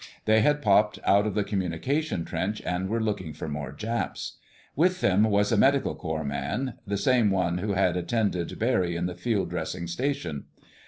They had popped out of the communication trench and were looking for more Japs. With them was a medical corps man—the same one who had attended Barry in the field dressing station.